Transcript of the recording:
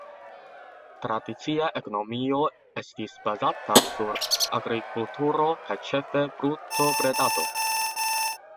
Tradicia ekonomio estis bazata sur agrikulturo kaj ĉefe brutobredado.